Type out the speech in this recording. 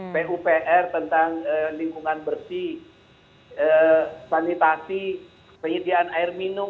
pupr tentang lingkungan bersih sanitasi penyediaan air minum